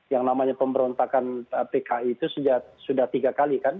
yang namanya pemberontakan pki itu sudah tiga kali kan